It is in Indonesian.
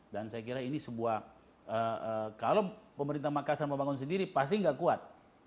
dan saya kira ini sebuah kalau pemerintah makassar membangun sendiri pasti enggak kuat